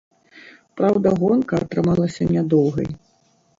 Праўда, гонка атрымалася нядоўгай.